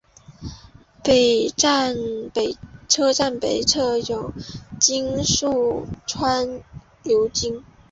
车站北侧有神崎川流经。